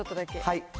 はい。